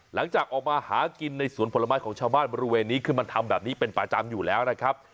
หลังจากออกมาหากินในสวนผลไม้ของชาวบ้านบริเวณนี้คือมันทำแบบนี้เป็นประจำอยู่แล้วนะครับ